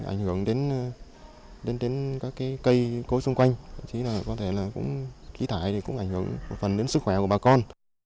ảnh hưởng đến các cây cố xung quanh có thể ký thải cũng ảnh hưởng đến sức khỏe của bà con